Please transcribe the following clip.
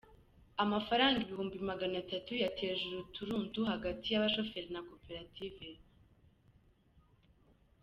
Amafaranga ibihumbi maganatatu yateje urunturuntu hagati y’abashoferi na Koperative